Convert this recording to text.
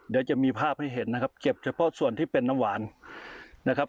เดี๋ยวจะมีภาพให้เห็นนะครับเก็บเฉพาะส่วนที่เป็นน้ำหวานนะครับ